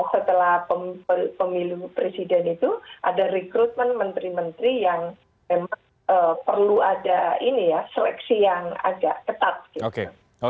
setelah pemilu presiden itu ada rekrutmen menteri menteri yang memang perlu ada ini ya seleksi yang agak ketat gitu